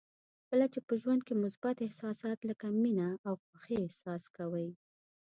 کله چې په ژوند کې مثبت احساسات لکه مینه او خوښي احساس کوئ.